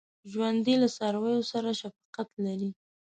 ژوندي له څارویو سره شفقت لري